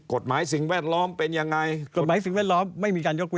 กฎหมายสิ่งแวดล้อมเป็นยังไง